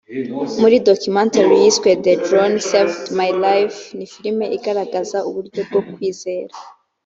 muri documentary yiswe the drone saved my life ni filimi igaragaza uburyo bwo kwizera